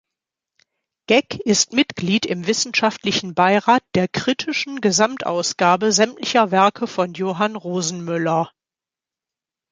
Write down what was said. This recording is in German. Geck ist Mitglied im Wissenschaftlichen Beirat der "Kritischen Gesamtausgabe sämtlicher Werke von Johann Rosenmüller".